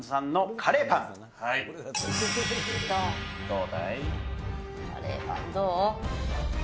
カレーパンどう？